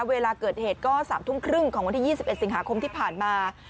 เวลาเกิดเหตุก็๓ทุ่มครึ่งของวันที่๒๑สิงหาคมที่ผ่านมา